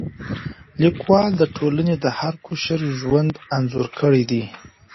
لیکوال د ټولنې د هر قشر ژوند انځور کړی دی.